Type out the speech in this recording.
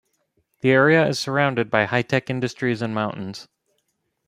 The area is surrounded by high-tech industries and mountains.